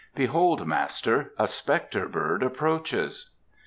"Behold, master, a spectre bird approaches."